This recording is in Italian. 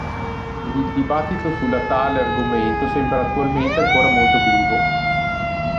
Ed il dibattito sulla tale argomento sembra attualmente ancora molto vivo.